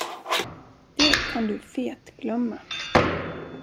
Det kan du fetglömma!